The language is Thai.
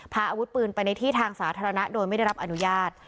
พาอาวุธปืนไปในที่ทางสาธารณะโดยไม่ได้รับอนุญาต